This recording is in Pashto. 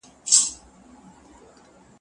دروغجن دی، ستمګر دی او ستاحُسن نه منکر دی